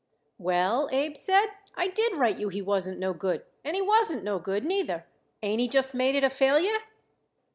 "Well," Abe said, "I did write you he wasn't no good, and he wasn't no good, neither. Ain't he just made it a failure?"